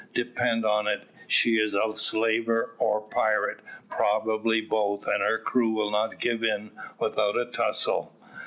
"Depend on it she is a slaver or pirate, probably both, and her crew will not give in without a tussle."